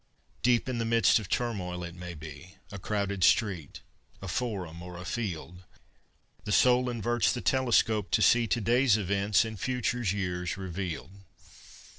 Deep in the midst of turmoil, it may be A crowded street, a forum, or a field, The soul inverts the telescope to see To day's events in future's years revealed.